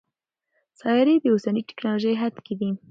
سیارې د اوسني ټکنالوژۍ حد کې دي.